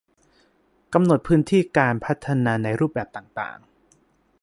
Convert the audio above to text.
กำหนดพื้นที่การพัฒนาในรูปแบบต่างต่าง